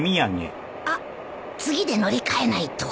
あっ次で乗り換えないと